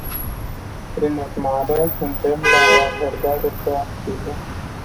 Prin urmare, îndemn la o abordare proactivă.